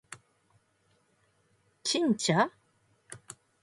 ちんちゃ？